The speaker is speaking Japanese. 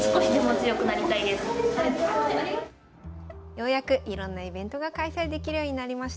ようやくいろんなイベントが開催できるようになりました。